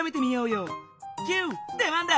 キュー出番だ！